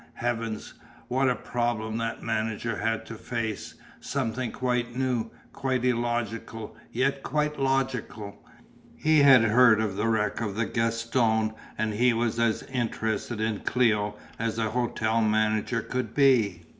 Heavens! What a problem that manager had to face, something quite new, quite illogical, yet quite logical. He had heard of the wreck of the Gaston and he was as interested in Clêo as a hotel manager could be.